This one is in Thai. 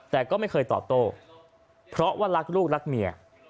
แต่ก็ไม่เคยตอบโต้เพราะว่ารักลูกรักเมีย